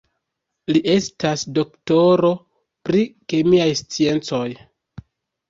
Li estas doktoro pri kemiaj sciencoj.